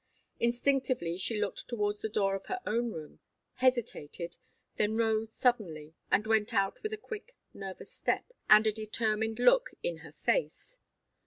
Instinctively she looked towards the door of her own room, hesitated, then rose suddenly, and went out with a quick, nervous step, and a determined look in her face.